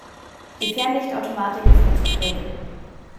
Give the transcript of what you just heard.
Die Fernlichtautomatik ist mir zu träge.